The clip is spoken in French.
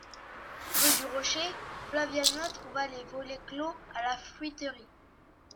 Rue du Rocher, Flaviana trouva les volets clos à la fruiterie.